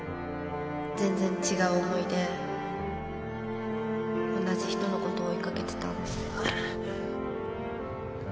全然違う思いで同じ人のことを追い掛けてた